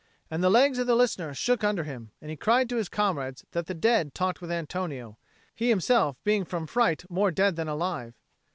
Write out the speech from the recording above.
And the legs of the listener shook under him, and he cried to his comrades that the dead talked with Antonio, he himself being from fright more dead than alive.